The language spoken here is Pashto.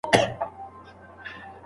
د اقتصادي پرمختګ اساس علم او تخنیک دی.